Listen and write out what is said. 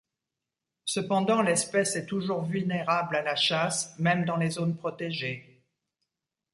Cependant, l'espèce est toujours vulnérable à la chasse, même dans les zones protégées.